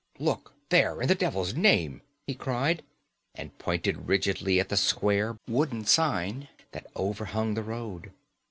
"Look there, in the devil's name!" he cried, and pointed rigidly at the square wooden sign that overhung the road.